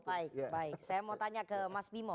baik baik saya mau tanya ke mas bimo